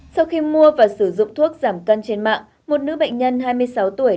sau khi mua và sử dụng thuốc giảm cân trên mạng một nữ bệnh nhân hai mươi sáu tuổi